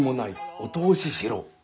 お通ししろ」。